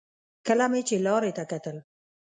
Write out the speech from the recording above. کله مې چې لارې ته کتل.